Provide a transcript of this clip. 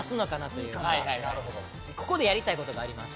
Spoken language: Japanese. ここでやりたい事があります。